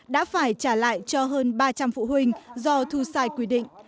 đã phải trả lại cho hơn ba trăm linh phụ huynh do thu sai quy định